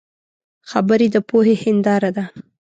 خبرې د پوهې هنداره ده